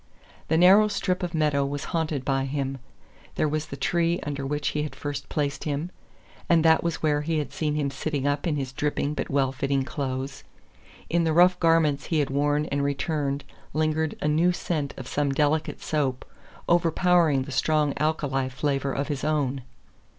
The narrow strip of meadow was haunted by him. There was the tree under which he had first placed him, and that was where he had seen him sitting up in his dripping but well fitting clothes. In the rough garments he had worn and returned lingered a new scent of some delicate soap, overpowering the strong alkali flavor of his own.